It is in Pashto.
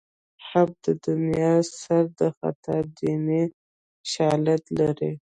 حب د دنیا سر د خطا دیني شالید لري